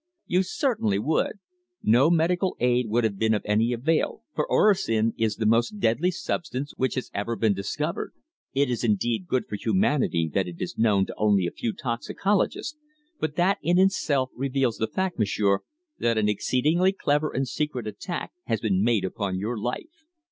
"You certainly would. No medical aid would have been of any avail, for orosin is the most deadly substance which has ever been discovered. It is indeed good for humanity that it is known to only a few toxicologists, but that in itself reveals the fact, monsieur, that an exceedingly clever and secret attack has been made upon your life.